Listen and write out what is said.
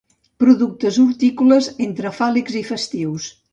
Productes hortícoles entre fàl·lics i festius.